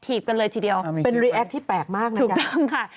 ถีบกันเลยทีเดียวถูกต้องค่ะเป็นรีแอปที่แปลกมากนะจ๊ะ